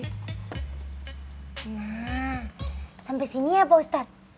nah sampai sini ya pak ustadz